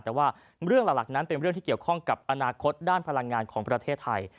แต่ว่าเรื่องหลักนั้นเป็นเรื่องที่เกี่ยวข้องกับอนาคตด้านพลังงานของประเทศไทย